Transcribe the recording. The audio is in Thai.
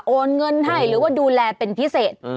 โอนเงินให้หรือว่าดูแลเป็นพิเศษ